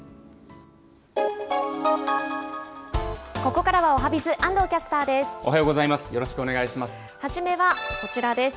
ここからはおはＢｉｚ、安藤キャスターです。